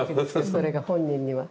それが本人には。